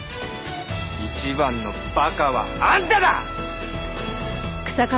一番の馬鹿はあんただ！